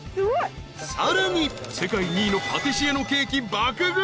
［さらに世界２位のパティシエのケーキ爆食い］